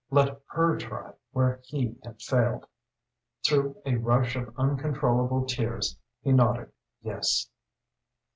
Let her try where he had failed. Through a rush of uncontrollable tears he nodded yes.